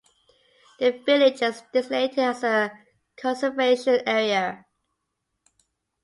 The village is designated as a Conservation Area.